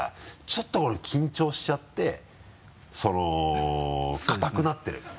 ちょっと緊張しちゃって硬くなってる。